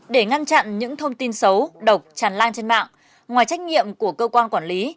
để ngăn chặn những thông tin xấu độc tràn lan trên mạng ngoài trách nhiệm của cơ quan quản lý